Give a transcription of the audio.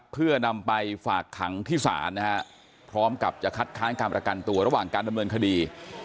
เพื่อนำไปฝากขังที่ศาลนะฮะพร้อมกับจะคัดค้านการประกันตัวระหว่างการดำเนินคดี